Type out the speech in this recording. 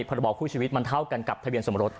พระบอคู่ชีวิตมันเท่ากันกับทะเบียนสมรส